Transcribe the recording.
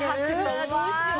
うわどうしよう？